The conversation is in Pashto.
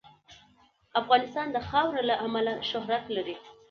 افغانستان د خاوره له امله شهرت لري.